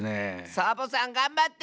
サボさんがんばって！